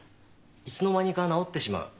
いつのまにか治ってしまう。